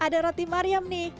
ada roti mariam nih